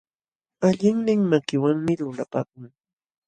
Alliqnin makinwanmi lulapakun.